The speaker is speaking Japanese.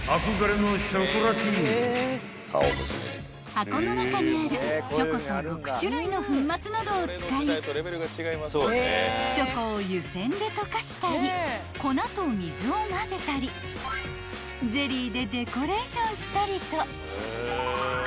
［箱の中にあるチョコと６種類の粉末などを使いチョコを湯煎で溶かしたり粉と水を混ぜたりゼリーでデコレーションしたりと］